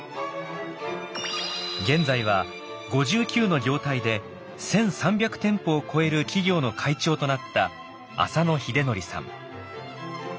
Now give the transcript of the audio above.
現在は５９の業態で１，３００店舗を超える企業の会長となった淺野秀則さん。